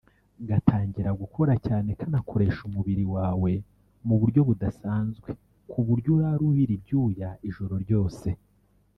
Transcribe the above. gatangira gukora cyane kanakoresha umubiri wawe mu buryo budasanzwe ku buryo urara ubira ibyuya ijoro ryose